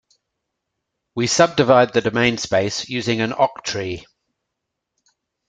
We subdivide the domain space using an octree.